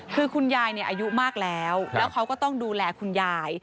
คือคุณยายอายุมากแล้วแล้วเขาก็ต้องดูแลคุณยาย